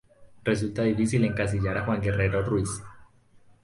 Resulta difícil encasillar a Juan Guerrero Ruiz.